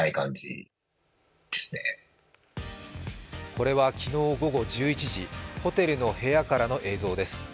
これは昨日午後１１時、ホテルの部屋からの映像です。